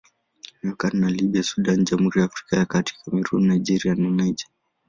Imepakana na Libya, Sudan, Jamhuri ya Afrika ya Kati, Kamerun, Nigeria na Niger.